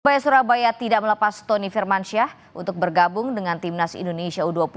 persebaya surabaya tidak melepas tony firmansyah untuk bergabung dengan timnas indonesia u dua puluh